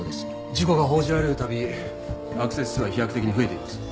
事故が報じられるたびアクセス数は飛躍的に増えています。